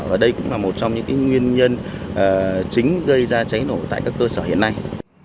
và đây cũng là một trong những nguyên nhân chính gây ra cháy nổ tại các cơ sở hiện nay